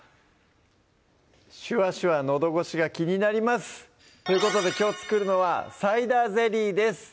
シュワシュワのど越しが気になりますということできょう作るのは「サイダーゼリー」です